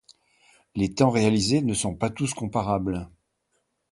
Les temps réalisés ne sont pas tous comparables.